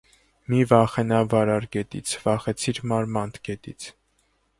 Մի վախենա վարար գետից, վախեցիր մարմանդ գետից: